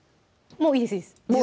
もういいですいいです